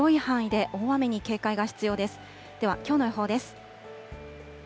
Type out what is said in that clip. では、きょうの予報です。